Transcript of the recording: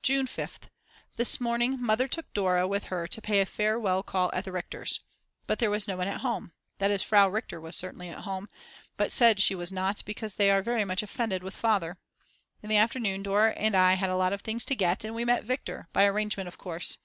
June 5th. This morning Mother took Dora with her to pay a farewell call at the Richter's. But there was no one at home, that is Frau R. was certainly at home, but said she was not because they are very much offended with Father. In the afternoon Dora and I had a lot of things to get, and we met Viktor, by arrangement of course.